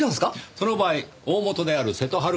その場合大本である瀬戸はるかさん